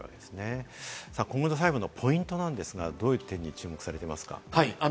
今後の裁判のポイントですが、どういった点に注目されていますか？